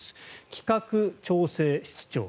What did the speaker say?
企画調整室長。